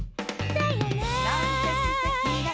「だよね！」